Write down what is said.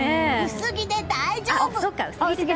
薄着で大丈夫！